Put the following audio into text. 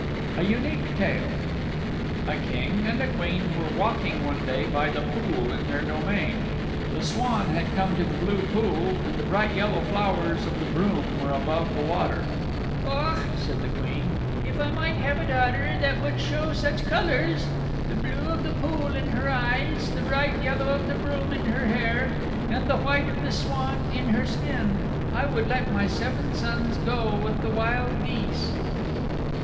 A Unique Tale A King and a Queen were walking one day by the blue pool in their domain. The swan had come to the blue pool, and the bright yellow flowers of the broom were above the water. "Och," said the Queen, "if I might have a daughter that would show such colors the blue of the pool in her eyes, the bright yellow of the broom in her hair, and the white of the swan in her skin I would let my seven sons go with the wild geese."